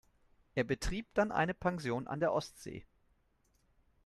Er betrieb dann eine Pension an der Ostsee.